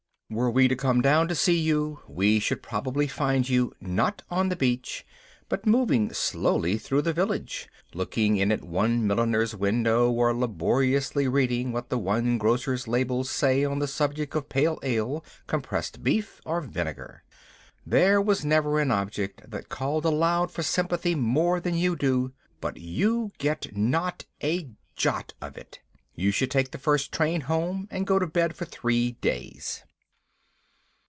Were we to come down to see you, we would probably find you, not on the beach, but moving slowly through the village, looking in at the one milliner's window, or laboriously reading what the one grocer's labels say on the subject of pale ale, compressed beef, or vinegar. There was never an object that called aloud for sympathy more than you do, but you get not a jot of it. You should take the first train home and go to bed for three days.